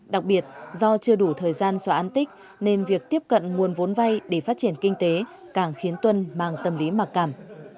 đặc biệt do chưa đủ thời gian xóa an tích nên việc tiếp cận nguồn vốn vay để phát triển kinh tế càng khiến tuân mang tâm lý mặc cảm